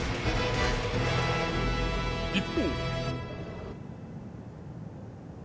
一方。